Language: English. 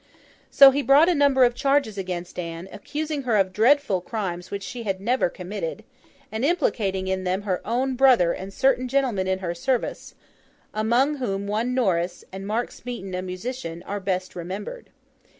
So, he brought a number of charges against Anne, accusing her of dreadful crimes which she had never committed, and implicating in them her own brother and certain gentlemen in her service: among whom one Norris, and Mark Smeaton a musician, are best remembered.